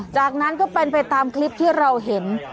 จากนั้นก็เป็นไปตามคลิปที่เราเห็น